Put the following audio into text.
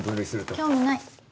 興味ない。